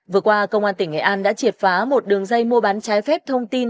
vừa qua công an tỉnh nghệ an đã triệt phá một đường dây mua bán trái phép thông tin